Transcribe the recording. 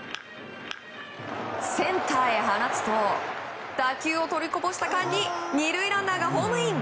センターへ放つと打球を取りこぼした間に２塁ランナーがホームイン。